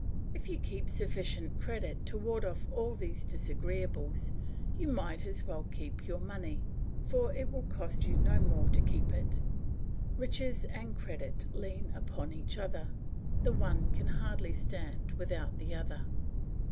If you keep sufficient credit to ward off all these disagreeables, you might as well keep your money, for it will cost you no more to keep it. Riches and credit lean upon each other, the one can hardly stand without the other.